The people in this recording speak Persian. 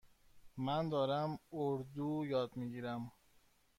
من دارم اردو یاد می گیرم.